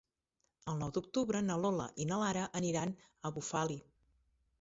El nou d'octubre na Lola i na Lara aniran a Bufali.